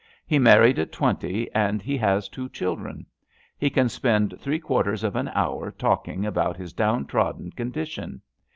He mar ried at twenty and he has two children. He can spend three quarters of an hour talking about his downtrodden condition.